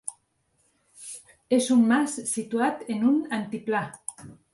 És un mas situat en un altiplà.